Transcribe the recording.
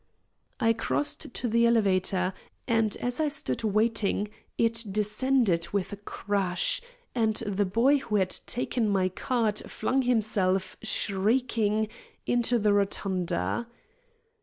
I crossed to the elevator, and as I stood waiting, it descended with a crash, and the boy who had taken my card flung himself, shrieking, into the rotunda.